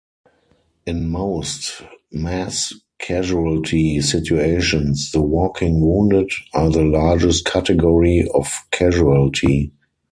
In most mass casualty situations, the walking wounded are the largest category of casualty.